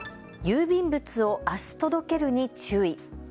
郵便物をあす届けるに注意。